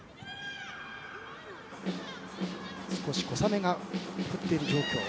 少し小雨が降っている状況。